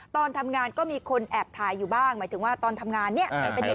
ตอนทำงานก็มีคนแอบถ่ายอยู่บ้างหมายถึงว่าตอนทำงานเนี่ย